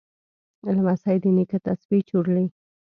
لمسی د نیکه تسبیح چورلي.